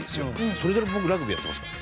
それで僕ラグビーやってますから。